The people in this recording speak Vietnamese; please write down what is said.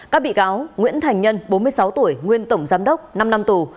các bị cáo nguyễn thành nhân bốn mươi sáu tuổi nguyên tổng giám đốc năm năm tù